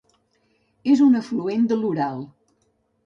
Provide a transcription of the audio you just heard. És un afluent de l'Ural.